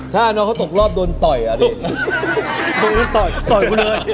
ถ้าน้องเขาตกรอบโดนต่อยอ่ะเนี่ย